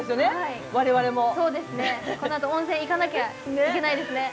このあと温泉行かなきゃいけないですね。